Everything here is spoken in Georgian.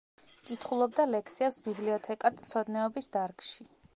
კითხულობდა ლექციებს ბიბლიოთეკათმცოდნეობის დარგში.